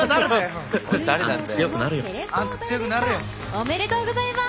おめでとうございます！